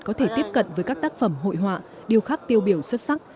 có thể tiếp cận với các tác phẩm hội họa điêu khắc tiêu biểu xuất sắc